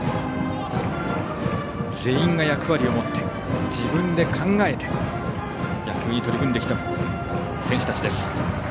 全員が役割を持って自分で考えて野球に取り組んできた選手たちです。